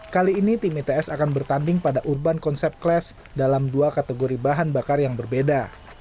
kali ini tim its akan bertanding pada urban concept class dalam dua kategori bahan bakar yang berbeda